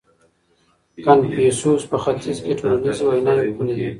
کنفوسوس په ختیځ کي ټولنیزې ویناوې کړې دي.